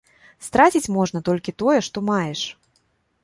Страціць можна толькі тое, што маеш.